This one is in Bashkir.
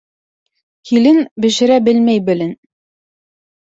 Килен, бешерә белмәй белен.